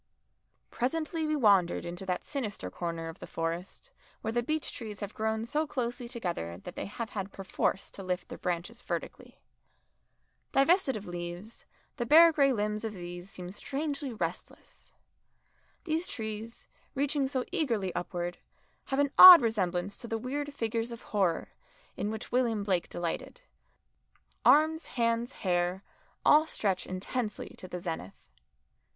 Presently we wandered into that sinister corner of the Forest where the beech trees have grown so closely together that they have had perforce to lift their branches vertically. Divested of leaves, the bare grey limbs of these seem strangely restless. These trees, reaching so eagerly upward, have an odd resemblance to the weird figures of horror in which William Blake delighted arms, hands, hair, all stretch intensely to the zenith.